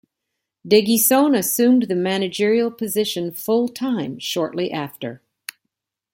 De Guisson assumed the managerial position full-time shortly after.